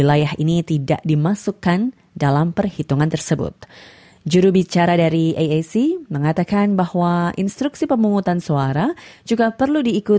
agar kemungkinan pemerintahan untuk memelihara suara yang diperlukan